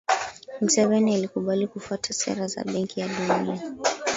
mseveni alikubali kufuata sera za benki ya dunia